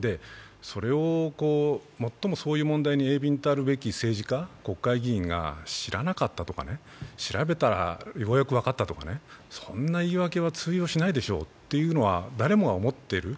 それを最もそういう問題に鋭敏たるべき政治家、国会議員が知らなかったとか、調べたらようやく分かったとか、そんな言い訳は通用しないでしょということは誰もが思っている。